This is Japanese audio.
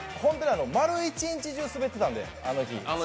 丸一日中スベってたんで、あの日。